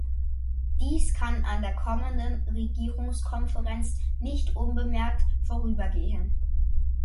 Dies kann an der kommenden Regierungskonferenz nicht unbemerkt vorübergehen.